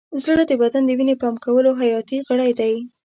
زړه د بدن د وینې پمپ کولو حیاتي غړی دی.